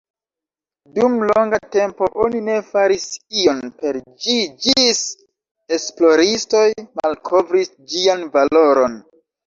Dum longa tempo oni ne faris ion per ĝi ĝis esploristoj malkovris ĝian valoron.